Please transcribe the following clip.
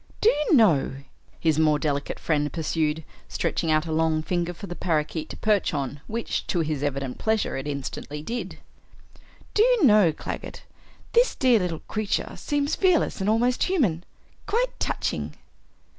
"Do you know," his more delicate friend pursued, stretching out a long finger for the parakeet to perch on, which to his evident pleasure it instantly did, "Do you know, Claggett, this dear little creature seems fearless and almost human? Quite touching."